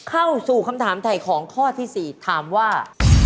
เข้าสู่คำถามถ่ายของข้อที่๔ถามว่า